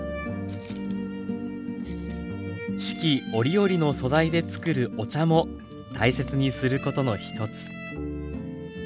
四季折々の素材でつくるお茶も大切にすることの一つ。